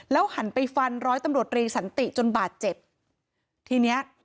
หันไปฟันร้อยตำรวจรีสันติจนบาดเจ็บทีเนี้ย